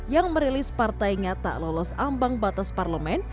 yang merilis partai nyata lolos ambang batas parlement